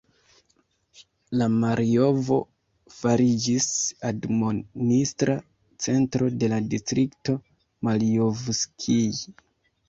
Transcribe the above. La Marjovo fariĝis admonistra centro de la distrikto Marjovskij.